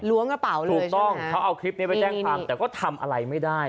กระเป๋าเลยถูกต้องเขาเอาคลิปนี้ไปแจ้งความแต่ก็ทำอะไรไม่ได้